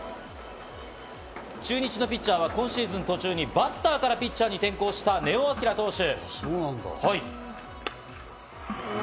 中日のピッチャーは今シーズン途中にバッターからピッチャーに転向した根尾昂投手。